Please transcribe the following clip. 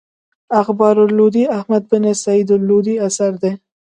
اخبار اللودي احمد بن سعيد الودي اثر دﺉ.